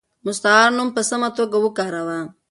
مستعار نوم په سمه توګه وکاروه.